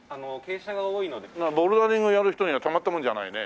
ボルダリングやる人にはたまったもんじゃないね。